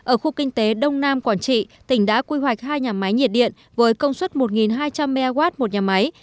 ở khu kinh tế đông nam quảng trị tỉnh đã quy hoạch hai nhà máy nhiệt điện với công suất một hai trăm linh mw một nhà máy